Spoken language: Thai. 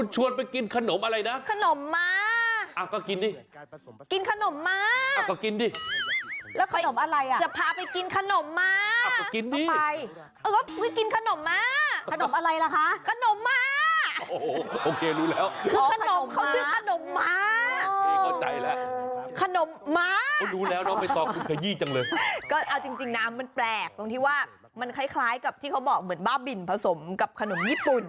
จริงนะมันแปลกตรงที่ว่ามันคล้ายกับบ้าบิลผสมกับคนนมญิปุ่น